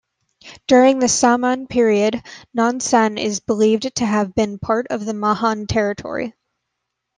During the Samhan period, Nonsan is believed to have been part of Mahan territory.